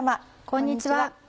こんにちは。